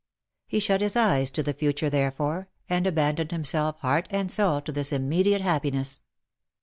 He shut his eyes to the future, therefore, and abandoned himself, heart and soul, to this immediate happiness.